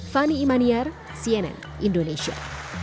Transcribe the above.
fani imaniar cnn indonesia